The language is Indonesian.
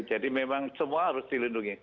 jadi memang semua harus dilindungi